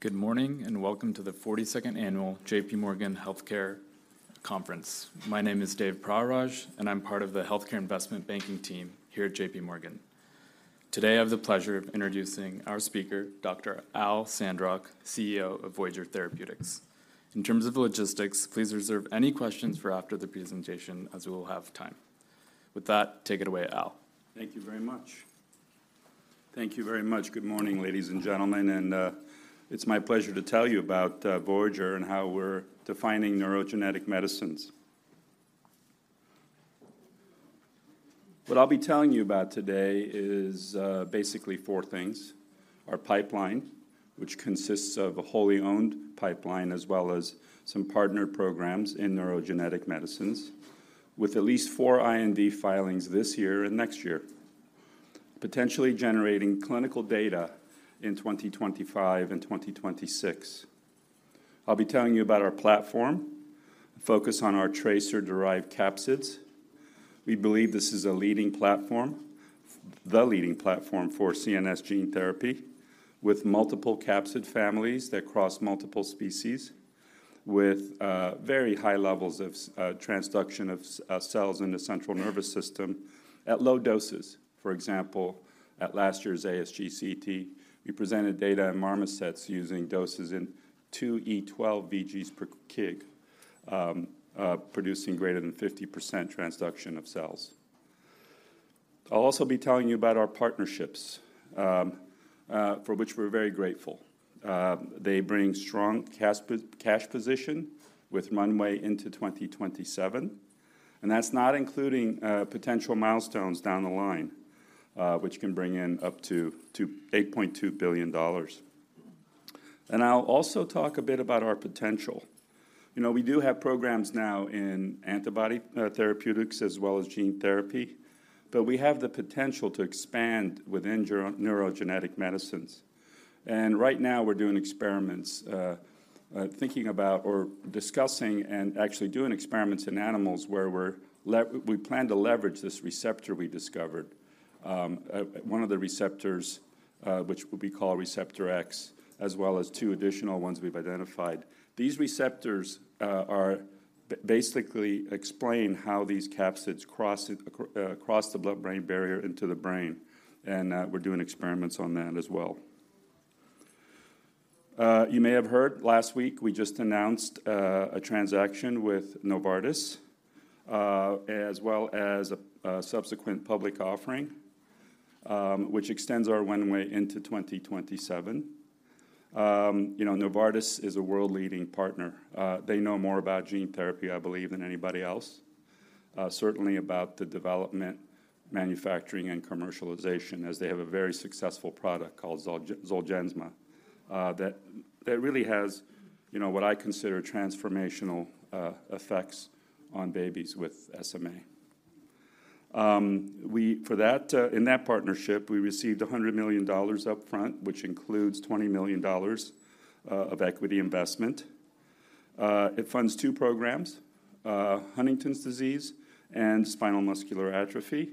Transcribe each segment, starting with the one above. Good morning, and welcome to the 42nd annual JPMorgan Healthcare Conference. My name is Dave Praharaj, and I'm part of the healthcare investment banking team here at JPMorgan. Today, I have the pleasure of introducing our speaker, Dr. Al Sandrock, CEO of Voyager Therapeutics. In terms of the logistics, please reserve any questions for after the presentation, as we will have time. With that, take it away, Al. Thank you very much. Thank you very much. Good morning, ladies and gentlemen, and it's my pleasure to tell you about Voyager and how we're defining neurogenetic medicines. What I'll be telling you about today is basically four things: our pipeline, which consists of a wholly owned pipeline, as well as some partnered programs in neurogenetic medicines, with at least four IND filings this year and next year, potentially generating clinical data in 2025 and 2026. I'll be telling you about our platform, focus on our TRACER-derived capsids. We believe this is a leading platform, the leading platform for CNS gene therapy, with multiple capsid families that cross multiple species, with very high levels of transduction of cells in the central nervous system at low doses. For example, at last year's ASGCT, we presented data in marmosets using doses in 2 × 10^12 vgs per kg, producing greater than 50% transduction of cells. I'll also be telling you about our partnerships, for which we're very grateful. They bring strong cash position with runway into 2027, and that's not including potential milestones down the line, which can bring in up to $8.2 billion. I'll also talk a bit about our potential. You know, we do have programs now in antibody therapeutics as well as gene therapy, but we have the potential to expand within neurogenetic medicines. Right now, we're doing experiments, thinking about or discussing and actually doing experiments in animals where we plan to leverage this receptor we discovered, one of the receptors, which will be called Receptor X, as well as two additional ones we've identified. These receptors basically explain how these capsids cross it, cross the blood-brain barrier into the brain, and we're doing experiments on that as well. You may have heard, last week, we just announced a transaction with Novartis, as well as a subsequent public offering, which extends our runway into 2027. You know, Novartis is a world-leading partner. They know more about gene therapy, I believe, than anybody else, certainly about the development, manufacturing, and commercialization, as they have a very successful product called Zolgensma, that really has, you know, what I consider transformational effects on babies with SMA. For that, in that partnership, we received $100 million upfront, which includes $20 million of equity investment. It funds two programs, Huntington's disease and spinal muscular atrophy.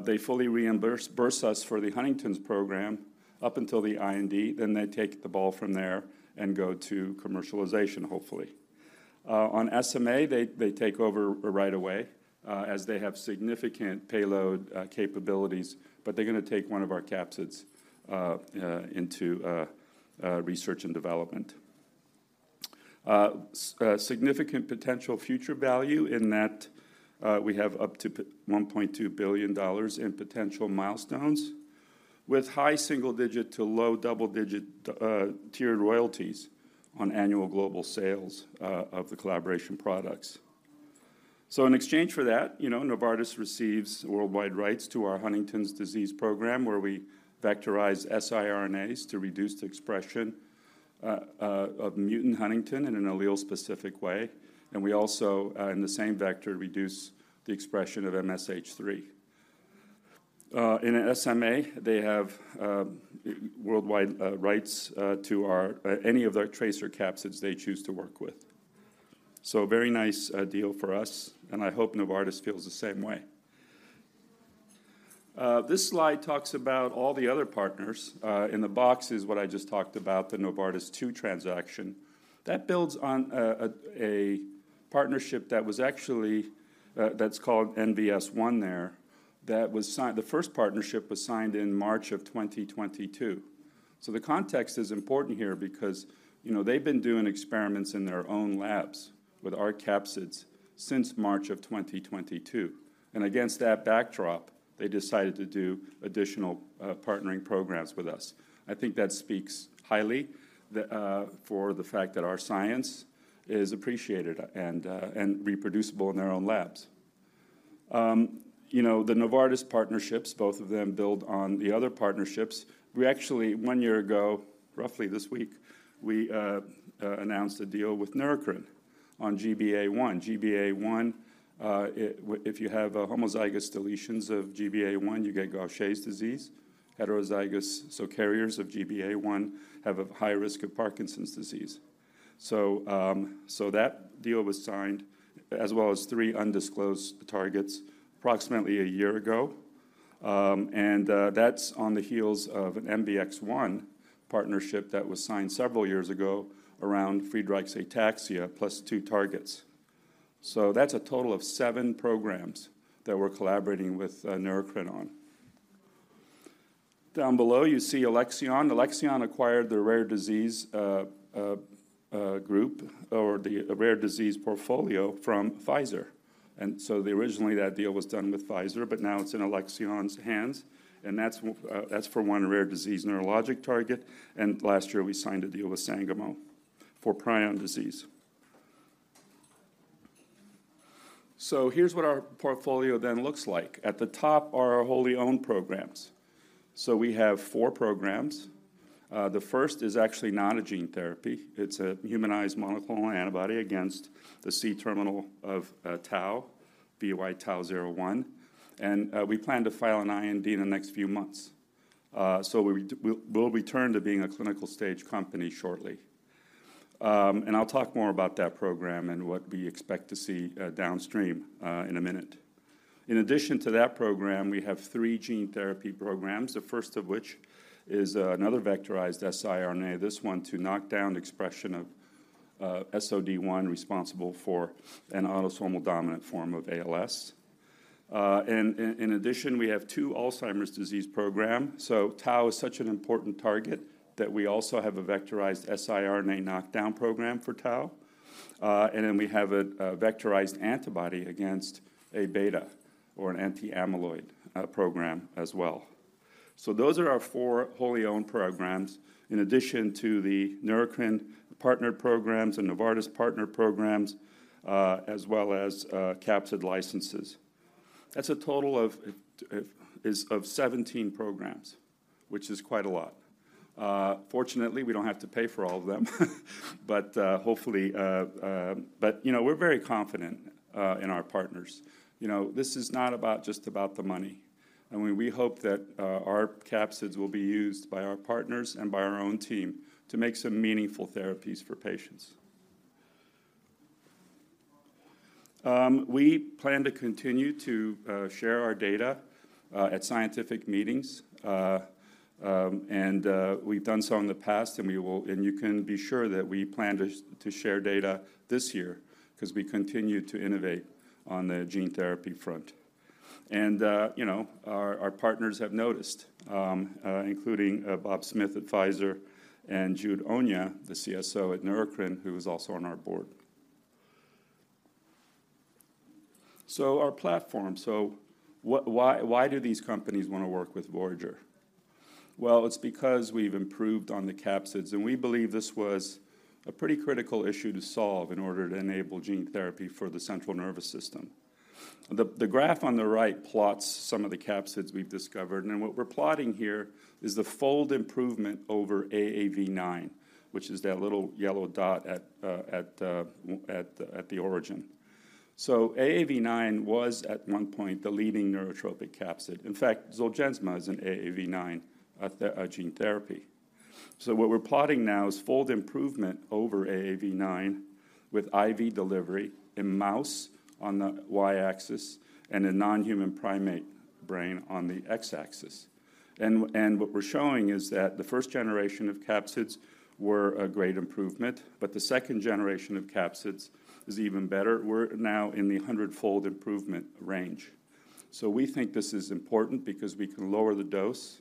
They fully reimburse us for the Huntington's program up until the IND, then they take the ball from there and go to commercialization, hopefully. On SMA, they take over right away, as they have significant payload capabilities, but they're gonna take one of our capsids into research and development. significant potential future value in that, we have up to $1.2 billion in potential milestones, with high single-digit to low double-digit tiered royalties on annual global sales of the collaboration products. So in exchange for that, you know, Novartis receives worldwide rights to our Huntington's disease program, where we vectorize siRNAs to reduce the expression of mutant huntingtin in an allele-specific way, and we also, in the same vector, reduce the expression of MSH3. In SMA, they have worldwide rights to any of our TRACER capsids they choose to work with. So a very nice deal for us, and I hope Novartis feels the same way. This slide talks about all the other partners. In the box is what I just talked about, the Novartis-2, transaction. That builds on a partnership that was actually that's called NVS-1 there. That was signed. The first partnership was signed in March 2022. So the context is important here because, you know, they've been doing experiments in their own labs with our capsids since March 2022, and against that backdrop, they decided to do additional partnering programs with us. I think that speaks highly for the fact that our science is appreciated and reproducible in their own labs. You know, the Novartis partnerships, both of them, build on the other partnerships. We actually, one year ago, roughly this week, we announced a deal with Neurocrine on GBA1. GBA1, if you have homozygous deletions of GBA1, you get Gaucher's disease. Heterozygous, so carriers of GBA1, have a high risk of Parkinson's disease. So, so that deal was signed, as well as three undisclosed targets, approximately a year ago. And, that's on the heels of an MBX-1 partnership that was signed several years ago around Friedreich's ataxia, plus two targets. So that's a total of seven programs that we're collaborating with Neurocrine on. Down below, you see Alexion. Alexion acquired the rare disease group, or a rare disease portfolio from Pfizer. And so they originally that deal was done with Pfizer, but now it's in Alexion's hands, and that's for one rare disease neurologic target, and last year, we signed a deal with Sangamo for prion disease. So here's what our portfolio then looks like. At the top are our wholly owned programs. So we have four programs. The first is actually not a gene therapy. It's a humanized monoclonal antibody against the C-terminal of TAU, VY-TAU01, and we plan to file an IND in the next few months. So we'll return to being a clinical stage company shortly. And I'll talk more about that program and what we expect to see downstream in a minute. In addition to that program, we have three gene therapy programs, the first of which is another vectorized siRNA, this one to knock down expression of SOD1, responsible for an autosomal dominant form of ALS. And in addition, we have two Alzheimer's disease program. So tau is such an important target, that we also have a vectorized siRNA knockdown program for tau. And then we have a vectorized antibody against A beta or an anti-amyloid program as well. So those are our four wholly owned programs, in addition to the Neurocrine partnered programs and Novartis partnered programs, as well as capsid licenses. That's a total of 17 programs, which is quite a lot. Fortunately, we don't have to pay for all of them, but hopefully, but, you know, we're very confident in our partners. You know, this is not just about the money, and we hope that our capsids will be used by our partners and by our own team to make some meaningful therapies for patients. We plan to continue to share our data at scientific meetings. We've done so in the past, and we will and you can be sure that we plan to share data this year, 'cause we continue to innovate on the gene therapy front. And, you know, our partners have noticed, including Bob Smith at Pfizer and Jude Onyia, the CSO at Neurocrine, who is also on our board. So our platform. So what, why do these companies want to work with Voyager? Well, it's because we've improved on the capsids, and we believe this was a pretty critical issue to solve in order to enable gene therapy for the central nervous system. The graph on the right plots some of the capsids we've discovered, and what we're plotting here is the fold improvement over AAV9, which is that little yellow dot at the origin. So AAV9 was, at one point, the leading neurotropic capsid. In fact, Zolgensma is an AAV9, a gene therapy. So what we're plotting now is fold improvement over AAV9 with IV delivery in mouse on the Y-axis and a non-human primate brain on the X-axis. And what we're showing is that the first generation of capsids were a great improvement, but the second generation of capsids is even better. We're now in the 100-fold improvement range. So we think this is important because we can lower the dose,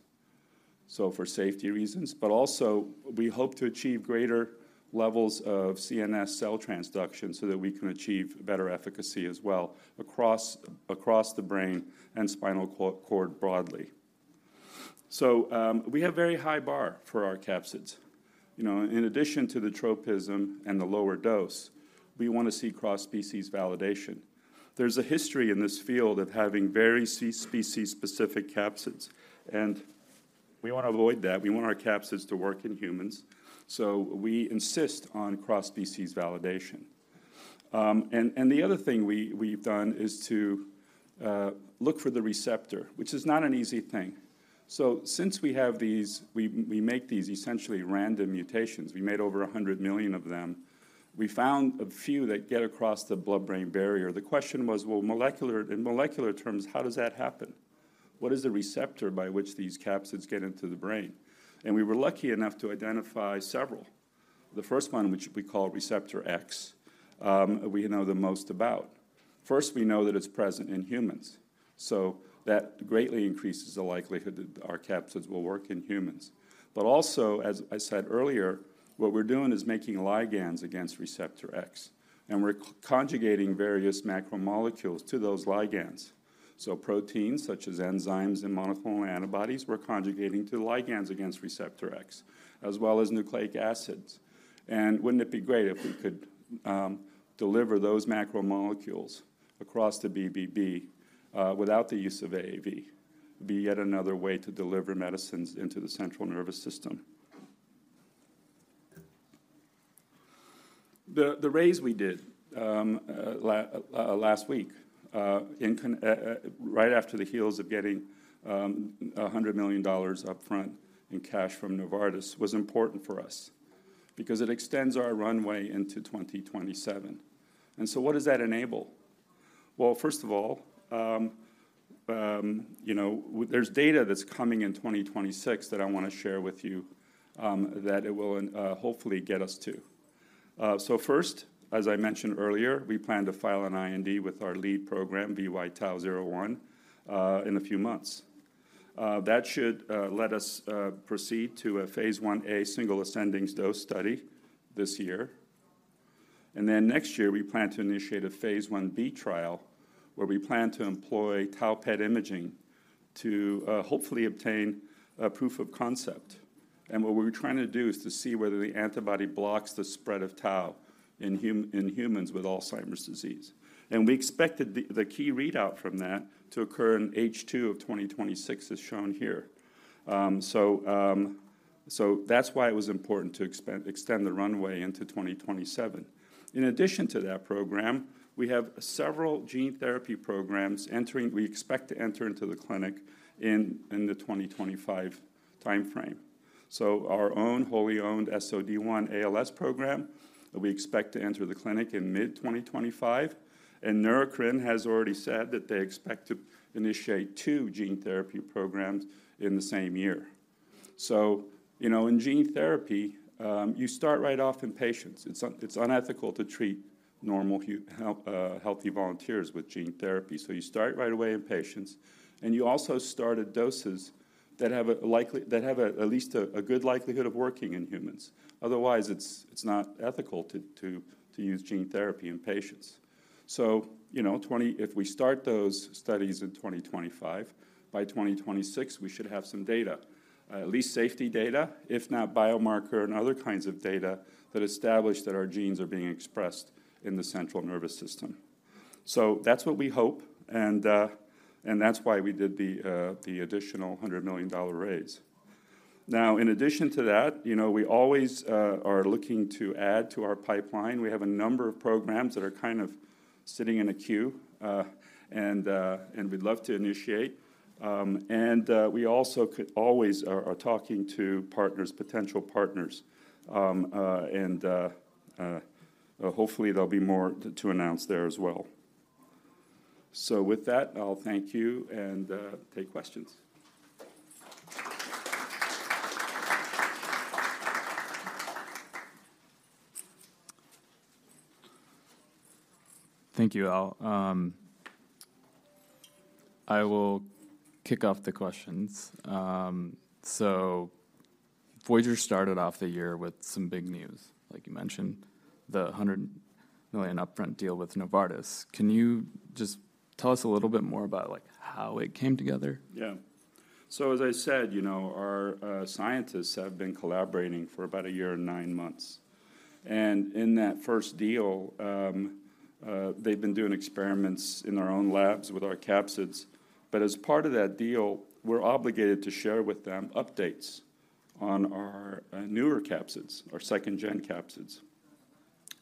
so for safety reasons, but also, we hope to achieve greater levels of CNS cell transduction so that we can achieve better efficacy as well across the brain and spinal cord broadly. So, we have very high bar for our capsids. You know, in addition to the tropism and the lower dose, we want to see cross-species validation. There's a history in this field of having very species-specific capsids, and we want to avoid that. We want our capsids to work in humans, so we insist on cross-species validation. And the other thing we've done is to look for the receptor, which is not an easy thing. So since we have these, we make these essentially random mutations, we made over 100 million of them. We found a few that get across the blood-brain barrier. The question was: well, in molecular terms, how does that happen? What is the receptor by which these capsids get into the brain? And we were lucky enough to identify several. The first one, which we call receptor X, we know the most about. First, we know that it's present in humans, so that greatly increases the likelihood that our capsids will work in humans. But also, as I said earlier, what we're doing is making ligands against receptor X, and we're conjugating various macromolecules to those ligands. So proteins, such as enzymes and monoclonal antibodies, we're conjugating to the ligands against receptor X, as well as nucleic acids. And wouldn't it be great if we could deliver those macromolecules across the BBB without the use of AAV? Be yet another way to deliver medicines into the central nervous system. The raise we did last week, right after the heels of getting $100 million upfront in cash from Novartis, was important for us, because it extends our runway into 2027. And so what does that enable? Well, first of all, you know, there's data that's coming in 2026 that I wanna share with you, that it will hopefully get us to. So first, as I mentioned earlier, we plan to file an IND with our lead program, VY-TAU01, in a few months. That should let us proceed to a phase 1a single ascending dose study this year. And then next year, we plan to initiate a phase 1b trial, where we plan to employ tau PET imaging to hopefully obtain a proof of concept. And what we're trying to do is to see whether the antibody blocks the spread of tau in humans with Alzheimer's disease. And we expected the key readout from that to occur in H2 of 2026, as shown here. So that's why it was important to extend the runway into 2027. In addition to that program, we have several gene therapy programs entering. We expect to enter into the clinic in the 2025 timeframe. So our own wholly-owned SOD1 ALS program, that we expect to enter the clinic in mid-2025, and Neurocrine has already said that they expect to initiate two gene therapy programs in the same year. So, you know, in gene therapy, you start right off in patients. It's unethical to treat normal healthy volunteers with gene therapy, so you start right away in patients, and you also start at doses that have a likely... that have a, at least a, a good likelihood of working in humans. Otherwise, it's not ethical to use gene therapy in patients. So, you know, if we start those studies in 2025, by 2026, we should have some data, at least safety data, if not biomarker and other kinds of data, that establish that our genes are being expressed in the central nervous system. So that's what we hope, and, and that's why we did the additional $100 million raise. Now, in addition to that, you know, we always are looking to add to our pipeline. We have a number of programs that are kind of sitting in a queue, and, and we'd love to initiate. And we also always are talking to partners, potential partners. And hopefully there'll be more to announce there as well. So with that, I'll thank you and take questions. Thank you, Al. I will kick off the questions. So, Voyager started off the year with some big news, like you mentioned, the $100 million upfront deal with Novartis. Can you just tell us a little bit more about, like, how it came together? Yeah. So as I said, you know, our scientists have been collaborating for about 1one year and nine months, and in that first deal, they'd been doing experiments in their own labs with our capsids. But as part of that deal, we're obligated to share with them updates on our newer capsids, our second gen capsids.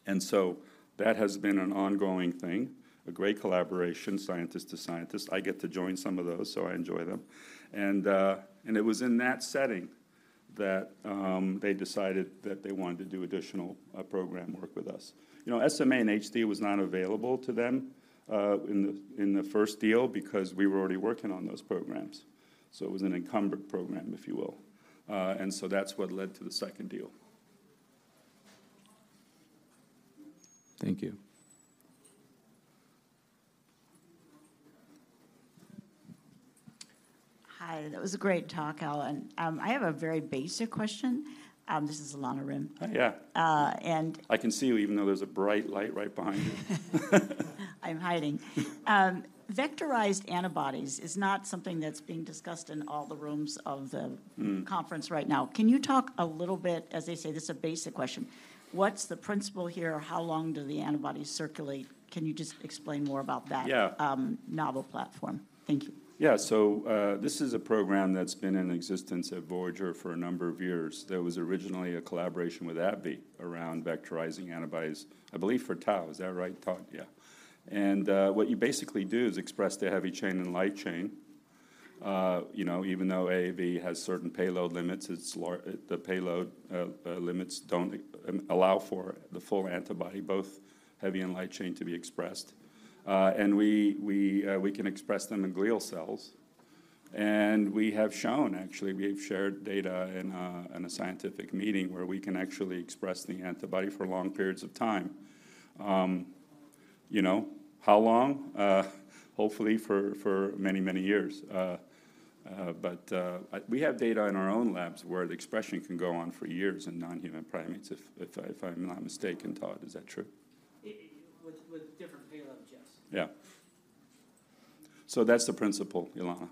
And so that has been an ongoing thing, a great collaboration, scientist to scientist. I get to join some of those, so I enjoy them. And, and it was in that setting that they decided that they wanted to do additional program work with us. You know, SMA and HD was not available to them, in the, in the first deal because we were already working on those programs. So it was an encumbered program, if you will. So that's what led to the second deal. Thank you. Hi. That was a great talk, Al, and, I have a very basic question. This is Ilana Rhein. Yeah. Uh, and I can see you, even though there's a bright light right behind you. I'm hiding. Vectorized antibodies is not something that's being discussed in all the rooms of the Mm conference right now. Can you talk a little bit, as I said, this is a basic question: What's the principle here? How long do the antibodies circulate? Can you just explain more about that Yeah novel platform? Thank you. Yeah. So, this is a program that's been in existence at Voyager for a number of years. That was originally a collaboration with AbbVie around vectorizing antibodies, I believe, for tau. Is that right, Todd? Yeah. And, what you basically do is express the heavy chain and light chain. You know, even though AAV has certain payload limits, its payload limits don't allow for the full antibody, both heavy and light chain, to be expressed. And we can express them in glial cells. And we have shown, actually, we have shared data in a scientific meeting where we can actually express the antibody for long periods of time. You know, how long? Hopefully for many, many years. But we have data in our own labs where the expression can go on for years in non-human primates, if I'm not mistaken. Todd, is that true? With different payloads, yes. Yeah. So that's the principle, Ilana.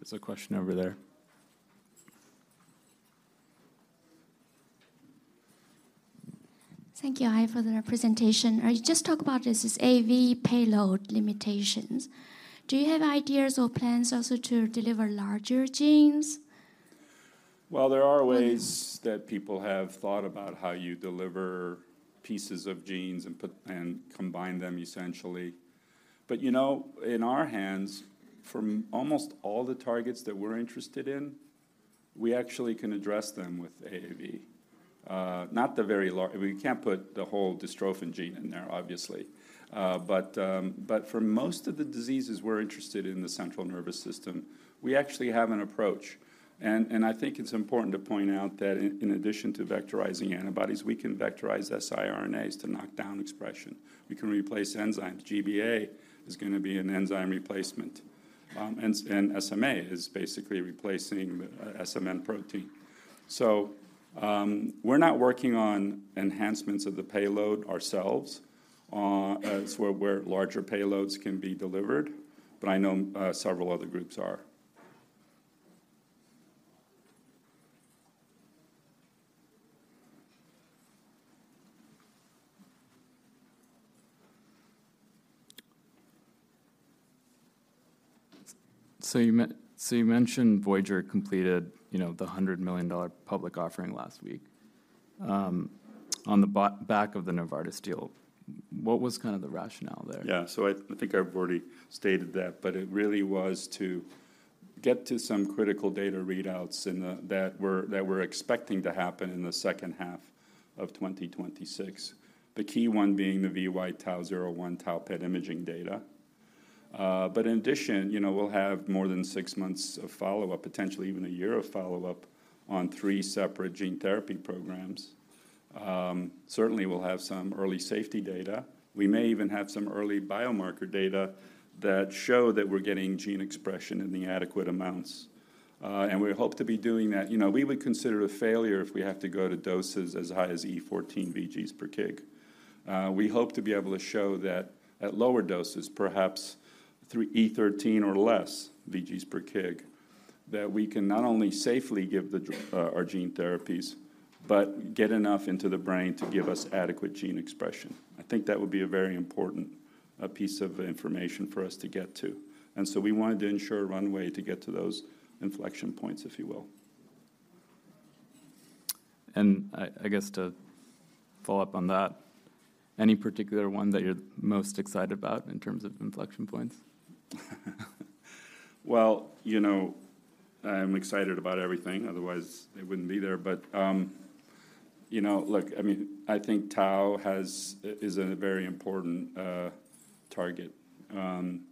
There's a question over there. Thank you, Al, for the presentation. You just talked about this AAV payload limitations. Do you have ideas or plans also to deliver larger genes? Well, there are ways that people have thought about how you deliver pieces of genes and put and combine them, essentially. But, you know, in our hands, from almost all the targets that we're interested in, we actually can address them with AAV. Not the very large, we can't put the whole dystrophin gene in there, obviously. But for most of the diseases we're interested in the central nervous system, we actually have an approach. And I think it's important to point out that in addition to vectorizing antibodies, we can vectorize siRNAs to knock down expression. We can replace enzymes. GBA is gonna be an enzyme replacement. And SMA is basically replacing SMN protein. We're not working on enhancements of the payload ourselves, as where larger payloads can be delivered, but I know several other groups are. So you mentioned Voyager completed, you know, the $100 million public offering last week, on the back of the Novartis deal. What was kind of the rationale there? Yeah. So I think I've already stated that, but it really was to get to some critical data readouts in the-- that we're expecting to happen in the second half of 2026. The key one being the VY-TAU01 tau PET imaging data. But in addition, you know, we'll have more than six months of follow-up, potentially even a year of follow-up, on three separate gene therapy programs. Certainly, we'll have some early safety data. We may even have some early biomarker data that show that we're getting gene expression in the adequate amounts. And we hope to be doing that you know, we would consider a failure if we have to go to doses as high as E14 VGs per kg. We hope to be able to show that at lower doses, perhaps through E13 or less VGs per kg, that we can not only safely give our gene therapies, but get enough into the brain to give us adequate gene expression. I think that would be a very important piece of information for us to get to. And so we wanted to ensure a runway to get to those inflection points, if you will. I guess to follow up on that, any particular one that you're most excited about in terms of inflection points? Well, you know, I'm excited about everything, otherwise it wouldn't be there. But, you know, look, I mean, I think tau is a very important target. And,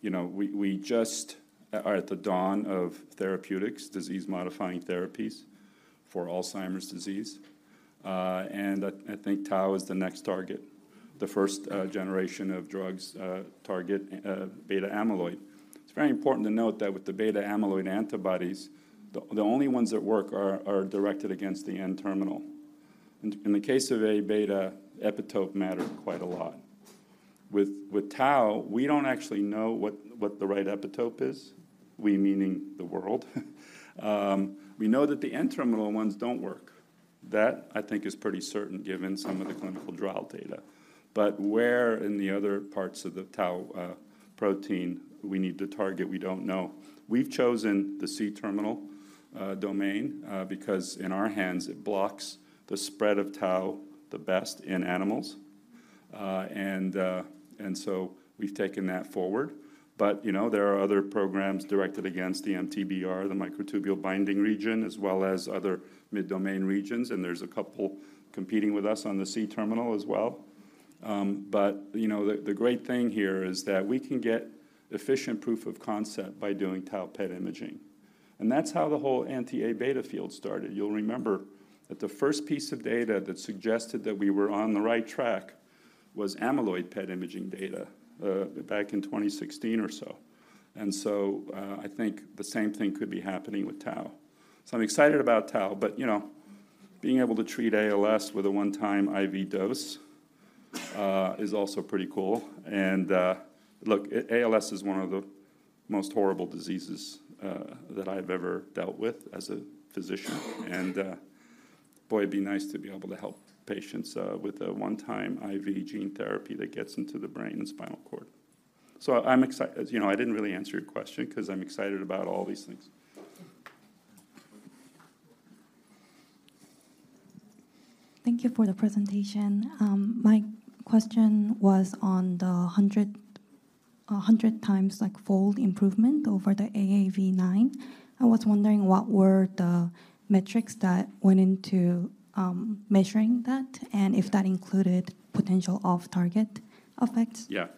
you know, we just are at the dawn of therapeutics, disease-modifying therapies for Alzheimer's disease. And I think tau is the next target. The first generation of drugs target beta amyloid. It's very important to note that with the beta amyloid antibodies, the only ones that work are directed against the N-terminal. In the case of A beta, epitope matters quite a lot. With tau, we don't actually know what the right epitope is, we meaning the world. We know that the N-terminal ones don't work. That, I think, is pretty certain given some of the clinical trial data. But where in the other parts of the tau protein we need to target, we don't know. We've chosen the C-terminal domain, because in our hands, it blocks the spread of tau the best in animals. And so we've taken that forward. But, you know, there are other programs directed against the MTBR, the microtubule binding region, as well as other mid domain regions, and there's a couple competing with us on the C-terminal as well. But, you know, the great thing here is that we can get efficient proof of concept by doing tau PET imaging. And that's how the whole anti-A beta field started. You'll remember that the first piece of data that suggested that we were on the right track was amyloid PET imaging data, back in 2016 or so. So, I think the same thing could be happening with tau. So I'm excited about tau, but, you know, being able to treat ALS with a one-time IV dose is also pretty cool. And, look, ALS is one of the most horrible diseases that I've ever dealt with as a physician. And, boy, it'd be nice to be able to help patients with a one-time IV gene therapy that gets into the brain and spinal cord. So I'm excited. As you know, I didn't really answer your question because I'm excited about all these things. Thank you for the presentation. My question was on the 100, a 100 times, like, fold improvement over the AAV9. I was wondering what were the metrics that went into measuring that, and if that included potential off-target effects? Yeah.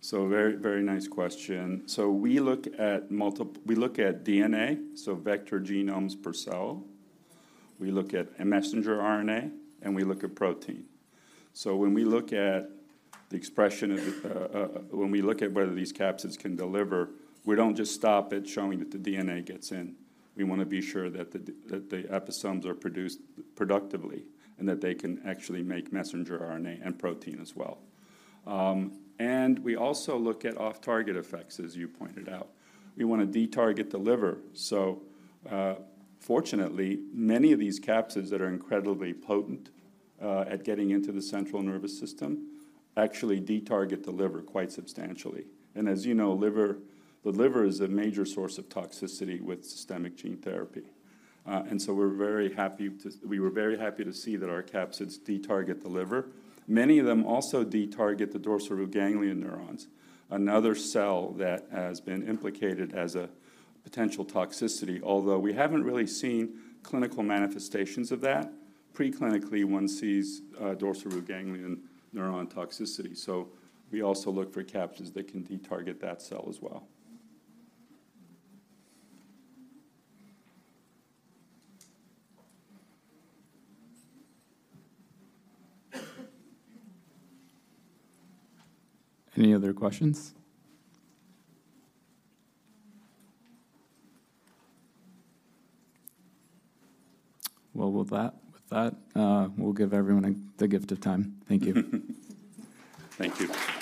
So very, very nice question. So we look at DNA, so vector genomes per cell, we look at messenger RNA, and we look at protein. So when we look at the expression of. When we look at whether these capsids can deliver, we don't just stop at showing that the DNA gets in. We wanna be sure that the episomes are produced productively, and that they can actually make messenger RNA and protein as well. And we also look at off-target effects, as you pointed out. We want to de-target the liver. So, fortunately, many of these capsids that are incredibly potent at getting into the central nervous system actually de-target the liver quite substantially. And as you know, liver, the liver is a major source of toxicity with systemic gene therapy. And so we're very happy to, we were very happy to see that our capsids de-target the liver. Many of them also de-target the dorsal root ganglion neurons, another cell that has been implicated as a potential toxicity, although we haven't really seen clinical manifestations of that. Pre-clinically, one sees dorsal root ganglion neuron toxicity, so we also look for capsids that can de-target that cell as well. Any other questions? Well, with that, with that, we'll give everyone a, the gift of time. Thank you. Thank you.